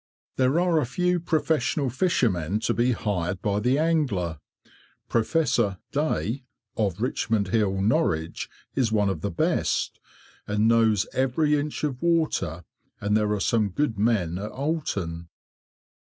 There are a few professional fishermen to be hired by the angler. "Professor" Day, of Richmond Hill, Norwich, is one of the best, and knows every inch of water, and there are some good men at Oulton.